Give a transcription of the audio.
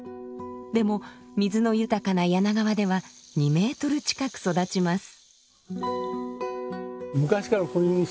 でも水の豊かな柳川では２メートル近く育ちます。